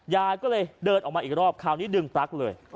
ยายก็เลยเดินออกมาอีกรอบคราวนี้ดึงปลั๊กเลย